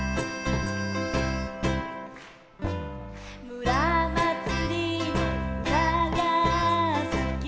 「むらまつりのうたがすき」